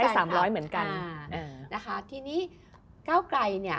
สมมติเฉย